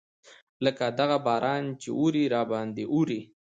لکه دغه باران چې اوري راباندې اوري.